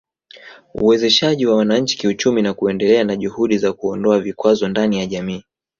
Uwezeshaji wa wananchi kiuchumi na kuendelea na juhudi za kuondoa vikwazo ndani ya jamii